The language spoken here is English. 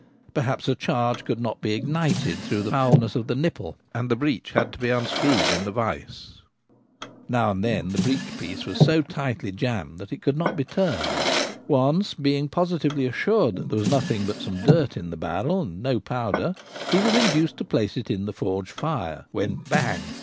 Per haps a charge could not be ignited through the foulness of the nipple, and the breech had to be un screwed in the vice ; now and then the breech piece was so tightly jammed that it could not be turned Once, being positively assured that there was nothing but some dirt in the barrel and no powder, he was induced to place it in the forge fire ; when — bang